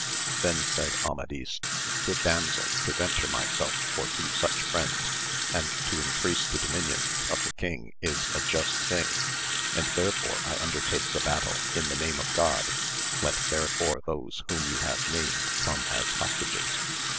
Then said Amadis, Good damsel to venture myself for two such friends, and to increase the dominions of the king is a just thing, and therefore I undertake the battle in the name of God, let therefore those whom you have named come as hostages.